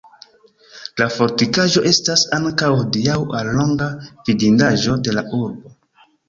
La fortikaĵo estas ankaŭ hodiaŭ alloga vidindaĵo de la urbo.